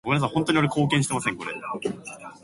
Brown attended Proviso East High School in Maywood, Illinois.